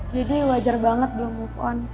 jadi wajar banget belum move on